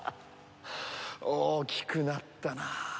大きくなったなあ。